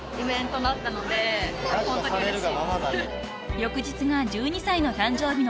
［翌日が１２歳の誕生日の］